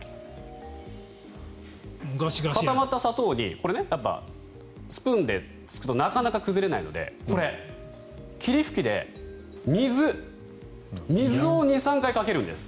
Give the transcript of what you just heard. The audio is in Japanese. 固まった砂糖にスプーンでつくとなかなか崩れないのでこれ、霧吹きで水を２３回かけるんです。